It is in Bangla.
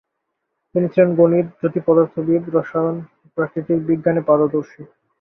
তিনি ছিলেন গণিত, জ্যোতিঃপদার্থবিদ, রসায়ন ও প্রাকৃতিক বিজ্ঞানে পারদর্শী।